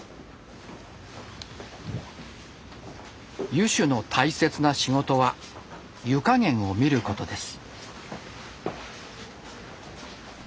湯主の大切な仕事は湯加減を見ることです。